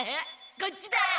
こっちだ。